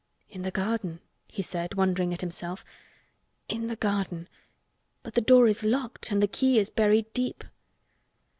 "In the garden!" he said, wondering at himself. "In the garden! But the door is locked and the key is buried deep."